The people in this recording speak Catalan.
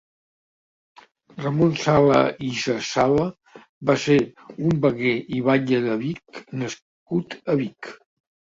Ramon Sala i Saçala va ser un veguer i batlle de Vic nascut a Vic.